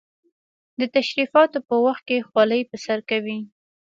د تشریفاتو په وخت کې خولۍ پر سر کوي.